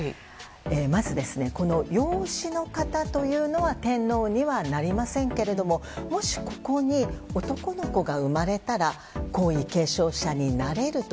まず、養子の方というのは天皇にはなりませんけれどももし、ここに男の子が生まれたら皇位継承者になれると。